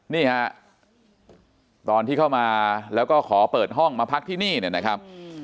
นี่ฮะตอนที่เข้ามาแล้วก็ขอเปิดห้องมาพักที่นี่เนี่ยนะครับ